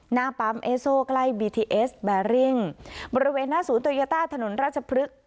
หน้าปั๊มเอสโซใกล้บีทีเอสแบริ่งบริเวณหน้าศูนย์โตโยต้าถนนราชพฤกษ์